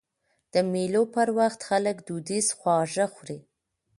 د مېلو پر وخت خلک دودیز خواږه خوري.